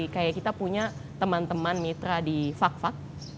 kayak kita punya teman teman mitra di fak fak